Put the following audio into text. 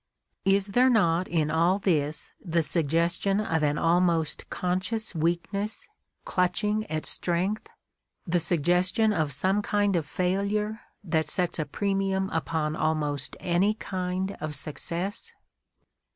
Is there not in all this the suggestion of an almost conscious weakness clutching at strength, the suggestion of some kind of failure that sets a premium upon almost any kind of success